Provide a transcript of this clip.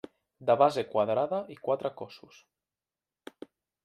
De base quadrada i quatre cossos.